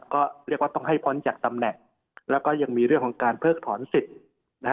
ก็เรียกว่าต้องให้พ้นจากตำแหน่งแล้วก็ยังมีเรื่องของการเพิกถอนสิทธิ์นะฮะ